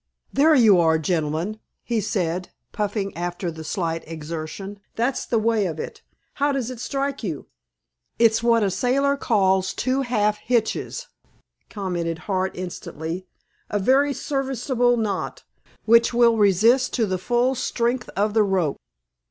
"There you are, gentlemen!" he said, puffing after the slight exertion. "That's the way of it. How does it strike you?" "It's what a sailor calls two half hitches," commented Hart instantly. "A very serviceable knot, which will resist to the full strength of the rope."